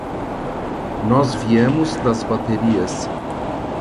Nós viemos das baterias.